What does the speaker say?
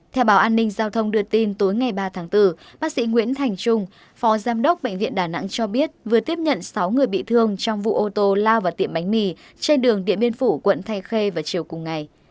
theo báo an ninh giao thông đưa tin tối ngày ba tháng bốn bác sĩ nguyễn thành trung phó giám đốc bệnh viện đà nẵng cho biết vừa tiếp nhận sáu người bị thương trong vụ ô tô lao vào tiệm bánh mì trên đường điện biên phủ quận thanh khê vào chiều cùng ngày